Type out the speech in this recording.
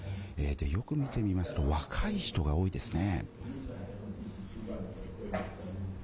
よく見てみますと、若い人が多いですね。